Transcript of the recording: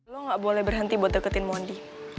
lo gak boleh berhenti buat deketin mondi